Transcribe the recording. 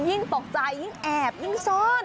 ยิ่งตกใจยิ่งแอบยิ่งซ่อน